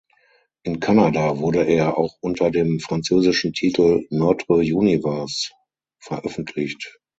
In Kanada wurde er auch unter dem französischen Titel "Notre univers" veröffentlicht.